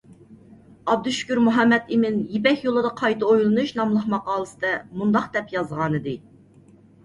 ئابدۇشۈكۈر مۇھەممەتئىمىن «يىپەك يولىدا قايتا ئويلىنىش» ناملىق ماقالىسىدە مۇنداق دەپ يازغانىدى.